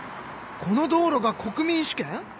この道路が国民主権？